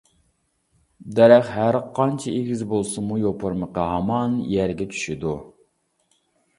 دەرەخ ھەر قانچە ئېگىز بولسىمۇ يوپۇرمىقى ھامان يەرگە چۈشىدۇ!